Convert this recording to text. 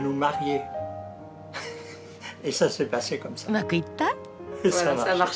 うまくいった？